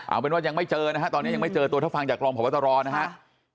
เอาเป็นว่ายังไม่เจอนะฮะตอนนี้ยังไม่เจอตัวถ้าฟังจากรองพบตรนะครับ